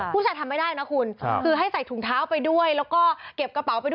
ผู้ชายทำไม่ได้นะคุณคือให้ใส่ถุงเท้าไปด้วยแล้วก็เก็บกระเป๋าไปด้วย